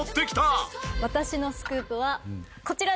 私のスクープはこちらです！